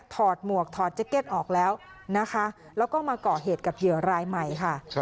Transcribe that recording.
หมวกถอดแจ็กเก็ตออกแล้วนะคะแล้วก็มาก่อเหตุกับเหยื่อรายใหม่ค่ะ